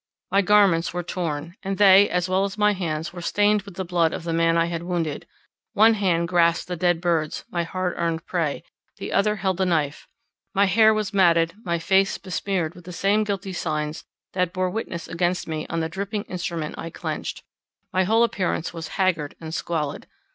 My garments were torn, and they, as well as my hands, were stained with the blood of the man I had wounded; one hand grasped the dead birds—my hard earned prey, the other held the knife; my hair was matted; my face besmeared with the same guilty signs that bore witness against me on the dripping instrument I clenched; my whole appearance was haggard and squalid.